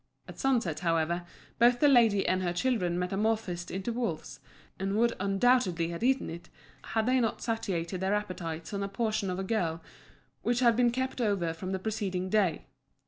At sunset, however, both the lady and her children metamorphosed into wolves, and would undoubtedly have eaten it, had they not satiated their appetites on a portion of a girl which had been kept over from the preceding day.